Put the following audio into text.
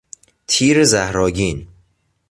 تیر زهرآگین